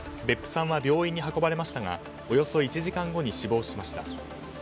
別府さんは病院に運ばれましたがおよそ１時間後に死亡しました。